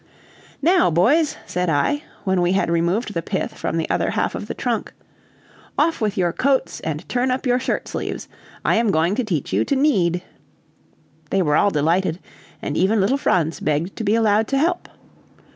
"Now, boys," said I, when we had removed the pith from the other half of the trunk, "off with your coats and turn up your shirt sleeves; I am going to teach you to knead." They were all delighted, and even little Franz begged to be allowed to help.